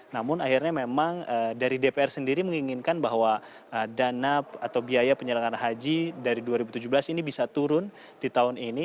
namun akhirnya memang dari dpr sendiri menginginkan bahwa dana atau biaya penyelenggaraan haji dari dua ribu tujuh belas ini bisa turun di tahun ini